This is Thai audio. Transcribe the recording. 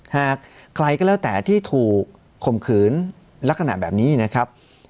หากใครก็แล้วแต่ที่ถูกข่มขืนลักษณะแบบนี้นะครับ